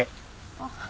あっ。